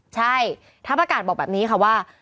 ใช่ทัพอากาศบอกแบบนี้ค่ะว่า